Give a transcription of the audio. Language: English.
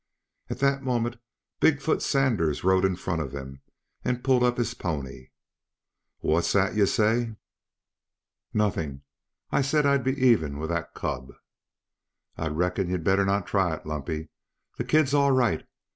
At that moment Big foot Sanders rode in front of him and pulled up his pony. "What's that ye say?" "Nothing I said I'd be even with that cub." "I reckon ye'd better not try it, Lumpy. The kid's all right.